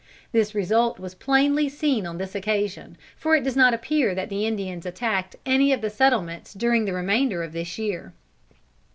This result was plainly seen on this occasion, for it does not appear that the Indians attacked any of the settlements during the remainder of this year."